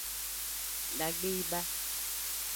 Dagbe yi ba.